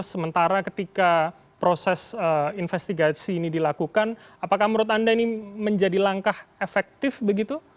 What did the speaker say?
sementara ketika proses investigasi ini dilakukan apakah menurut anda ini menjadi langkah efektif begitu